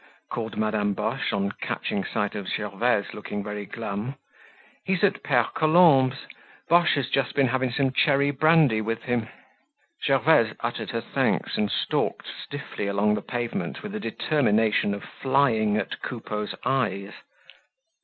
called Madame Boche, on catching sight of Gervaise looking very glum. "He's at Pere Colombe's. Boche has just been having some cherry brandy with him." Gervaise uttered her thanks and stalked stiffly along the pavement with the determination of flying at Coupeau's eyes.